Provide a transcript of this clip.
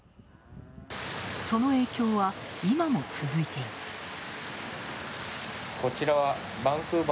その影響は今も続いています。